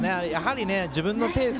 自分のペース